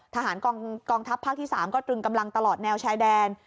ทหารกองทัพภาคที่๓ก็ตรึงกำลังตลอดแนวชายแดน